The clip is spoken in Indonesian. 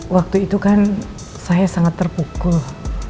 waktu itu kan saya sangat terpukul